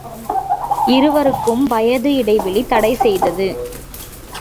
இருவருக்கும் வயது இடைவெளி தடை செய்தது.